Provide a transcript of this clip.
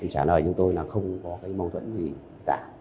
trả lời chúng tôi là không có mâu thuẫn gì cả